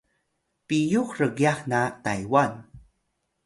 piyux rgyax na Taywan